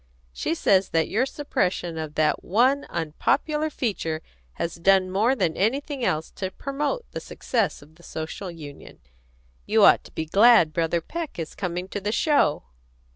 She says that your suppression of that one unpopular feature has done more than anything else to promote the success of the Social Union. You ought to be glad Brother Peck is coming to the show."